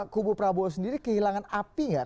kubu prabowo sendiri kehilangan api nggak